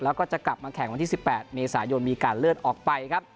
แล้วก็จะกลับมาแข่งวันที่๑๘เมษายนมีการเลื่อนออกไปครับ